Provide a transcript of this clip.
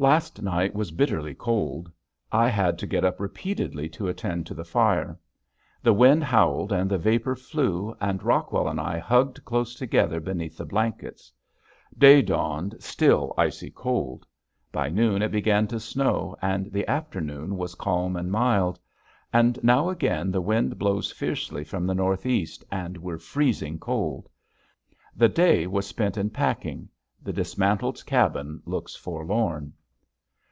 Last night was bitterly cold. I had to get up repeatedly to attend to the fire. The wind howled and the vapor flew and Rockwell and I hugged close together beneath the blankets. Day dawned still icy cold. By noon it began to snow and the afternoon was calm and mild. And now again the wind blows fiercely from the northeast and we're freezing cold! The day was spent in packing. The dismantled cabin looks forlorn.